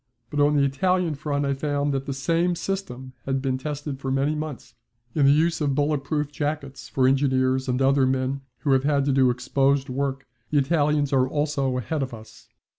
But on the Italian front I found that the same system had been tested for many months. In the use of bullet proof jackets for engineers and other men who have to do exposed work the Italians are also ahead of us.